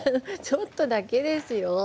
ちょっとだけですよ。